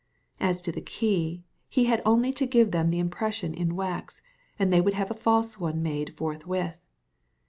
As to the key, he had only to give them the impression in wax, and they would have a false one made forthwith.